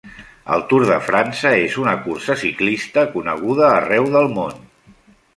El Tour de França és una cursa ciclista coneguda arreu del món.